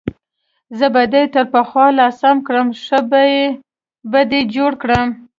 زه به دې تر پخوا لا سم کړم، پښه به دې جوړه کړم.